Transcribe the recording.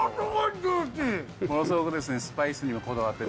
ものすごくスパイスにもこだわってて。